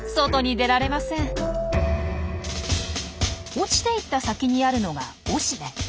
落ちていった先にあるのは雄しべ。